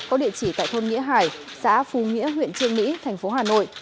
có địa chỉ tại thôn nghĩa hải xã phù nghĩa huyện trương mỹ tp hà nội